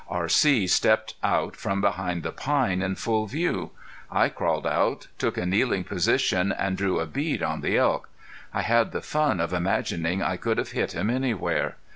R.C. stepped out from behind the pine in full view. I crawled out, took a kneeling position, and drew a bead on the elk. I had the fun of imagining I could have hit him anywhere.